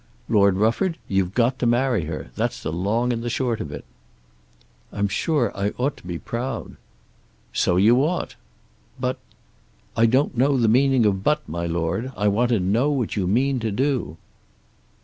"Lord Rufford, you've got to marry her. That's the long and the short of it." "I'm sure I ought to be proud." "So you ought." "But " "I don't know the meaning of but, my Lord. I want to know what you mean to do."